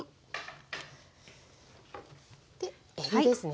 でえびですね。